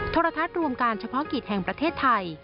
โทรทัศน์รวมการเฉพาะกิจแห่งประเทศไทย